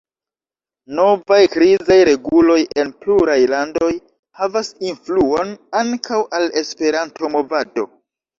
Novaj krizaj reguloj en pluraj landoj havas influon ankaŭ al la Esperanto-movado.